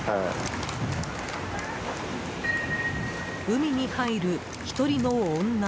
海に入る１人の女。